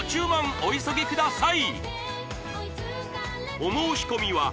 お急ぎください